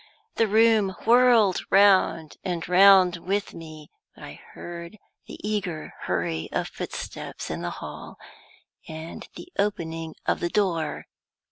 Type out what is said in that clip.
The room whirled round and round with me; but I heard the eager hurry of footsteps in the hall, and the opening of the door.